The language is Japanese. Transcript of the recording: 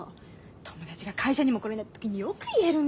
友達が会社にも来れないって時によく言えるね！